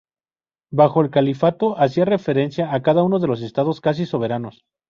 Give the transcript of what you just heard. Bajo el Califato, hacía referencia a cada uno de los estados casi soberanos.